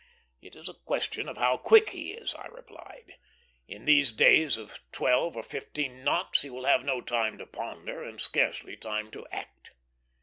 "It is a question of how quick he is," I replied. "In these days of twelve or fifteen knots he will have no time to ponder, and scarcely time to act."